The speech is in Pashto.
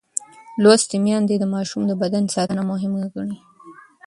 لوستې میندې د ماشوم د بدن ساتنه مهم ګڼي.